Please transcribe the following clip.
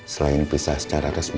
selain pisah secara resmi